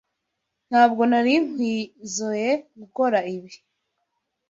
Ntabwo nari nkwizoe gukora ibi.